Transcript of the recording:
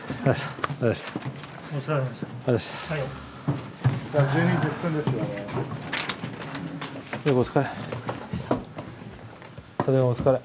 お疲れ。